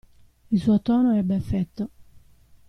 Il suo tono ebbe effetto.